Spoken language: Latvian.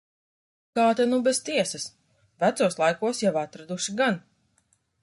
Kā ta nu bez tiesas. Vecos laikos jau atraduši gan.